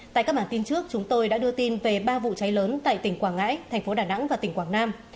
tại các bản tin trước chúng tôi đã đưa tin về ba vụ cháy lớn tại tỉnh quảng ngãi thành phố đà nẵng và tỉnh quảng nam